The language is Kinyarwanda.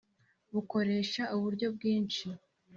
bukoresha uburyo bwinshi